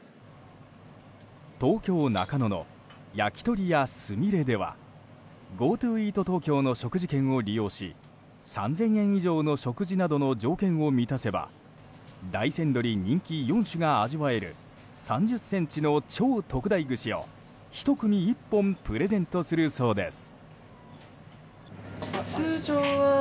東京・中野のやきとり家すみれではＧｏＴｏイートＴｏｋｙｏの食事券を利用し３０００円以上の食事などの条件を満たせば大山どり人気４種が味わえる３０ｃｍの超特大串を１組１本プレゼントするそうです。